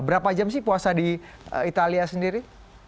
berapa jam sih puasa di italia sendiri